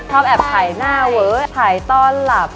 แอบถ่ายหน้าเว้อถ่ายตอนหลับ